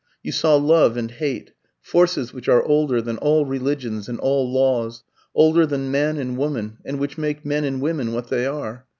You saw love and hate, forces which are older than all religions and all laws, older than man and woman, and which make men and women what they are.